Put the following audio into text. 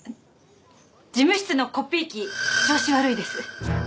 事務室のコピー機調子悪いです。